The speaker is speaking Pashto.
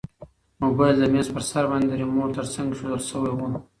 موبایل د میز په سر باندې د ریموټ تر څنګ ایښودل شوی و.